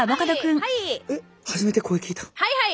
はいはい。